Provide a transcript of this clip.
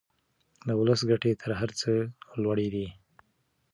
د ولس ګټې تر هر څه لوړې دي.